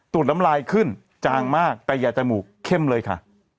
น้ำลายขึ้นจางมากแต่อย่าจมูกเข้มเลยค่ะ